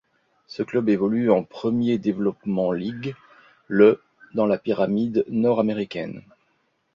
Ce club évolue en Premier Development League, le dans la pyramide nord-américaine.